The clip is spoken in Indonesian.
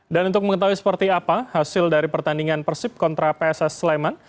dan untuk mengetahui seperti apa hasil dari pertandingan persib kontra pss sleman